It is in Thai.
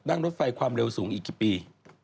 รถไฟความเร็วสูงอีกกี่ปี